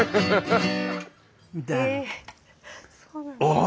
ああ！